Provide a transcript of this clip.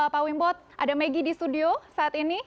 pak wimbo ada maggie di studio saat ini